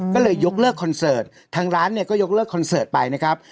ก็เลยยกเลิกคอนเสิร์ตทางร้านเนี่ยก็ยกเลิกคอนเสิร์ตไปนะครับ